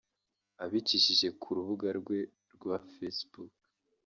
Abicishije ku rubuga rwe rwa Facebook